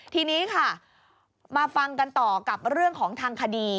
ทีนี้ค่ะมาฟังกันต่อกับเรื่องของทางคดี